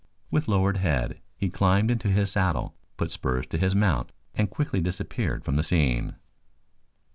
With lowered head he climbed into his saddle, put spurs to his mount and quickly disappeared from the scene.